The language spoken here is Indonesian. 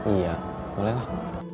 iya boleh lah